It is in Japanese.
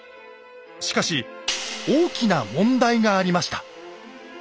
しかし大きな問題がありました。